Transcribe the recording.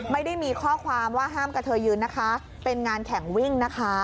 ไม่ได้มีข้อความว่าห้ามกระเทยยืนนะคะเป็นงานแข่งวิ่งนะคะ